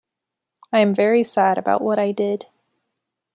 I am very sad about what I did.